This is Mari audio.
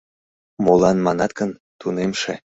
Молан манат гын, тунемше.